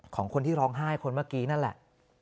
ของคนที่ร้องไห้คนเมื่อกี้นั่นแหละ